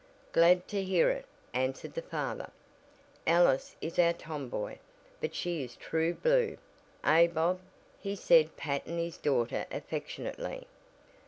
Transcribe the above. "Glad to hear it," answered the father, "Alice is our tom boy, but she is true blue, eh, Bob?" he said patting his daughter affectionately.